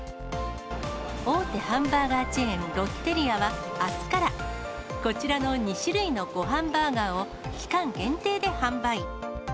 大手ハンバーガーチェーン、ロッテリアはあすから、こちらの２種類のごはんバーガーを期間限定で販売。